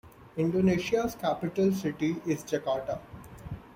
Indonesia's capital city is Jakarta.